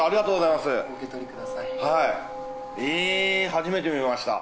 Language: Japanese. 初めて見ました。